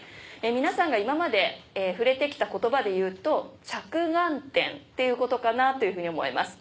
皆さんが今まで触れて来た言葉で言うと着眼点っていうことかなというふうに思います。